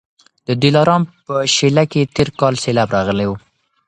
د دلارام په شېله کي تېر کال سېلاب راغلی و